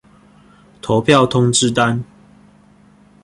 投票通知單